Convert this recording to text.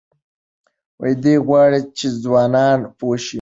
دی غواړي چې ځوانان پوه شي.